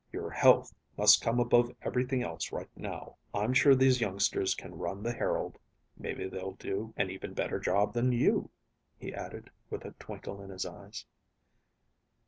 "Your health must come above everything else right now. I'm sure those youngsters can run the Herald. Maybe they'll do an even better job than you," he added with a twinkle in his eyes.